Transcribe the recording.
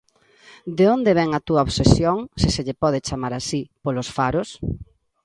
De onde vén a túa obsesión, se se lle pode chamar así, polos faros?